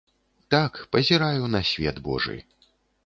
Так, пазіраю на свет божы.